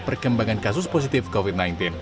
perkembangan kasus positif covid sembilan belas